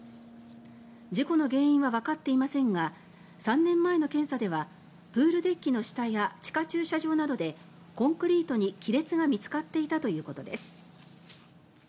事故の原因はわかっていませんが３年前の検査ではプールデッキの下や地下駐車場などでコンクリートに亀裂が見つかっていたということです。